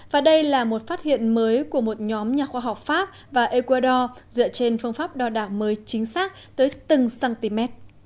và đây là một phát hiện mới của một nhóm nhà khoa học pháp và ecuador dựa trên phương pháp đo đảo mới chính xác tới từng cm